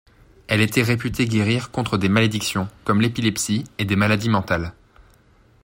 Elle était réputée guérir contre des malédictions, comme l'épilepsie et des maladies mentales.